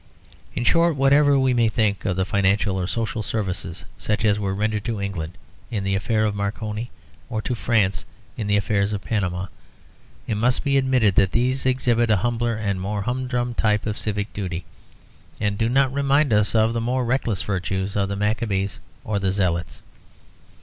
In short, whatever we may think of the financial or social services such as were rendered to England in the affair of Marconi, or to France in the affair of Panama, it must be admitted that these exhibit a humbler and more humdrum type of civic duty, and do not remind us of the more reckless virtues of the Maccabees or the Zealots.